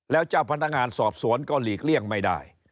แล้วเจ้าพนักงานสอบสวนก็หลีกเลี่ยงไม่ได้